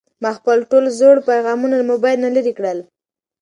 ما خپل ټول زوړ پيغامونه له موبایل نه لرې کړل.